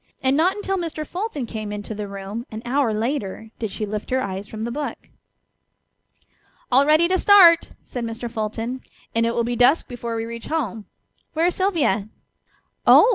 And not until Mr. Fulton came into the room an hour later did she lift her eyes from the book. "All ready to start!" said Mr. Fulton, "and it will be dusk before we reach home. Where is Sylvia?" "Oh!"